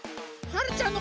はるちゃん！